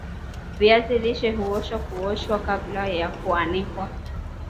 viazi lishe huoshwa kuoshwa kabla ya kuanikwa